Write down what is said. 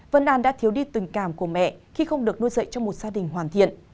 vân an đã thiếu đi tình cảm của mẹ khi không được nuôi dạy cho một gia đình hoàn thiện